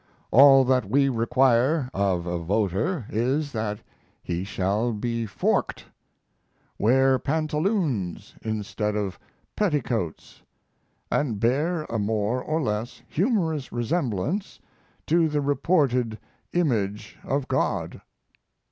All that we require of a voter is that he shall be forked, wear pantaloons instead of petticoats, and bear a more or less humorous resemblance to the reported image of God.